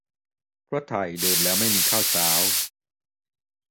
เพราะไทยเดิมแล้วไม่มีข้าวเช้า